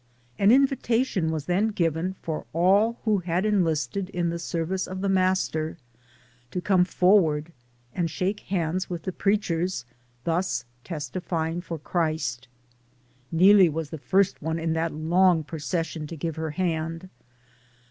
An invitation was then given for all who had enlisted in the service of the Master to come forward and shake hands with the preachers, thus testifying for Christ. Nee lie was the first one in that long procession to give her hand.